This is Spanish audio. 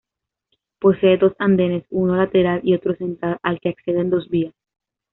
Posee dos andenes, uno lateral y otro central al que acceden dos vías.